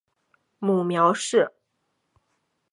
母苗氏。